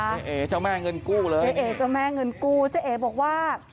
เจ๊เอ๋เจ้าแม่เงินกู้เลยเจ๊เอ๋เจ้าแม่เงินกู้เจ๊เอบอกว่า